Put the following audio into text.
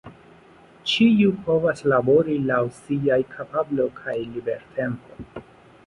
Ĉiu povas labori laŭ siaj kapablo kaj libertempo.